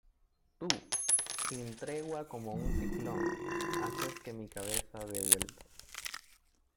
Tú, sin tregua como un ciclón, haces que mi cabeza dé vueltas